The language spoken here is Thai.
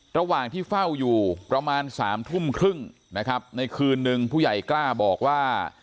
ระหว่างที่เฝ้าอยู่ประมาณสามทุ่มครึ่งนะครับในคืนนึงผู้ใหญ่กล้าบอกว่า